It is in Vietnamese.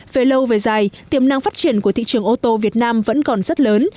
về lâu về dài tiềm năng phát triển của thị trường ô tô việt nam vẫn còn rất lớn